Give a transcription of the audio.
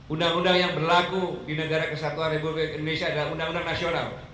undang undang yang berlaku di negara kesatuan republik indonesia adalah undang undang nasional